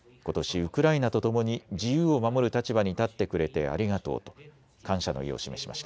ウクライナとともに自由を守る立場に立ってくれてありがとうと感謝の意を示しました。